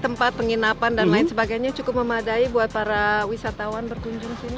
tempat penginapan dan lain sebagainya cukup memadai buat para wisatawan berkunjung sini